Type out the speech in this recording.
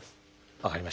分かりました。